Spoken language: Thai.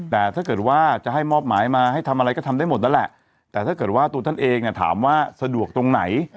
แต่ถ้าเกิดว่าจะให้มอบหมายมาให้ทำอะไรก็ทำได้หมดนั่นแหละแต่ถ้าเกิดว่าตัวท่านเองถามว่าสะดวกตรงไหน